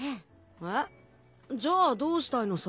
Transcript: えっ？じゃあどうしたいのさ。